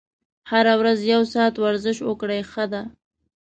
هره ورځ یو ساعت ورزش وکړئ ښه ده.